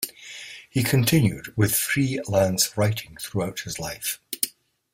He continued with free-lance writing throughout his life.